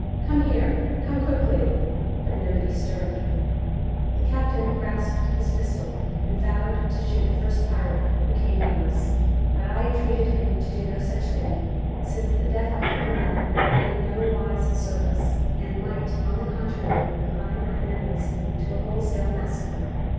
Come here! Come quickly!" But nobody stirred. The captain grasped his pistol, and vowed to shoot the first pirate who came near us; but I entreated him to do no such thing, since the death of one man could in nowise serve us, and might, on the contrary, incline our enemies to a wholesale massacre.